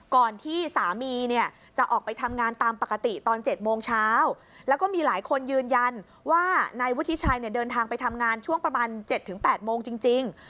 ก่อนที่สามีเนี่ยจะออกไปทำงานตามปกติตอน๗โมงเช้าแล้วก็มีหลายคนยืนยันว่านายวุฒิชัยเนี่ยเดินทางไปทำงานช่วงประมาณ๗๘โมงจริง